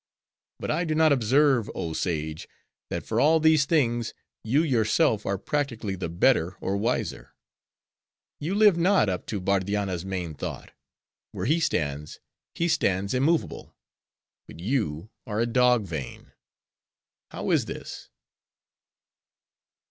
But I do not observe, oh, Sage! that for all these things, you yourself are practically the better or wiser. You live not up to Bardianna's main thought. Where he stands, he stands immovable; but you are a Dog vane. How is this?"